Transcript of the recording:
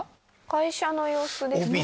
会社の様子ですね。